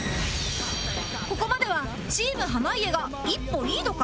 ここまではチーム濱家が一歩リードか？